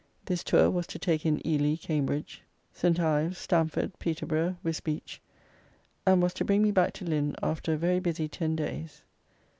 This tour was to take in Ely, Cambridge, St. Ives, Stamford, Peterborough, Wisbeach, and was to bring me back to Lynn, after a very busy ten days.